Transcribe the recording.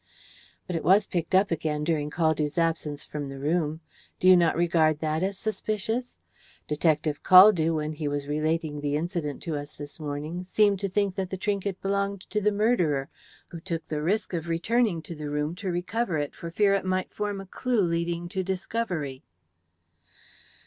"But it was picked up again during Caldew's absence from the room. Do you not regard that as suspicious? Detective Caldew, when he was relating the incident to us this morning, seemed to think that the trinket belonged to the murderer, who took the risk of returning to the room to recover it for fear it might form a clue leading to discovery."